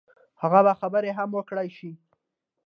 هغه به خبرې هم وکړای شي.